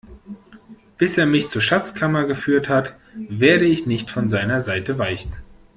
Bis er mich zur Schatzkammer geführt hat, werde ich nicht von seiner Seite weichen.